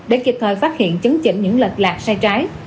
để kịp thời phát hiện chấn chỉnh những lệch lạc sai trái